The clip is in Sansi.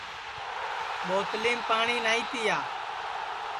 ٻوتلِیم پاٹؔی نائی تِیا